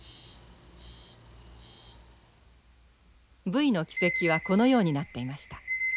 ブイの軌跡はこのようになっていました。